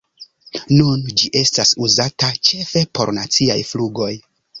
Nun ĝi estas uzata ĉefe por naciaj flugoj.